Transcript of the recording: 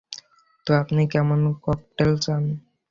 তো আপনি কেমন ককটেল চান?